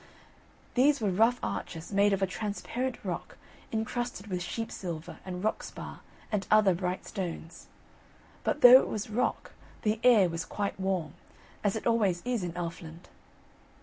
These were rough arches made of a transparent rock, incrusted with sheepsilver and rock spar, and other bright stones. But though it was rock, the air was quite warm, as it always is in Elfland.